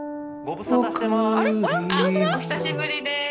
お久しぶりです。